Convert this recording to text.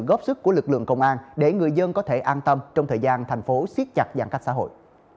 giúp đỡ lực lượng công an để người dân có thể an tâm trong thời gian thành phố siết chặt giãn cách xã hội